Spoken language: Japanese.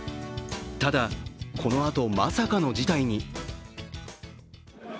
ただ、このあとまさかの事態に。